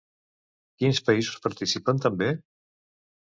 Quins països participaran també?